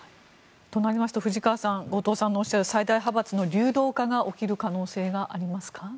となりますと藤川さん後藤さんのおっしゃる最大派閥の流動化が起きる可能性がありますか。